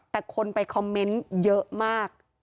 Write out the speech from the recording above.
แต่คนไปคอมเมนต์เยอะมาก